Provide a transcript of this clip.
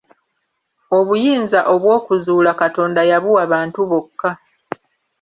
Obuyinza obw'okuzuula Katonda yabuwa bantu bokka.